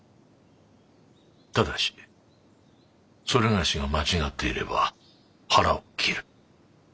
ただし某が間違っていれば腹を切る。